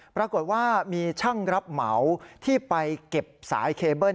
ปรากฏว่ามีช่างรับเหมาที่ไปเก็บสายเคเบิ้ล